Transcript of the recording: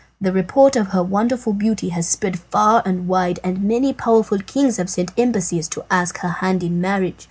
The report of her wonderful beauty has spread far and wide, and many powerful kings have sent embassies to ask her hand in marriage.